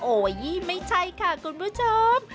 ยี่ไม่ใช่ค่ะคุณผู้ชม